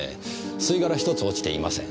吸い殻ひとつ落ちていません。